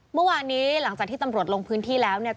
เมื่อวานนี้หลังจากที่ตำรวจลงพื้นที่แล้วเนี่ย